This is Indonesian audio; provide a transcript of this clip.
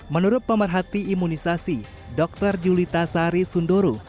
menurut pemerhati imunisasi dr julita sari sundoro